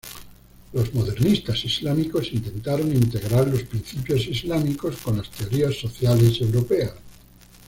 Los modernistas islámicos intentaron integrar los principios islámicos con las teorías sociales europeas.